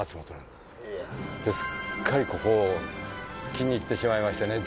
すっかりここ気に入ってしまいましてね。